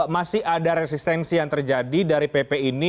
masih ada resistensi yang terjadi dari pp ini